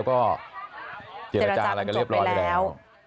ก็เจรจากเรียบร้อยด้วยแล้ว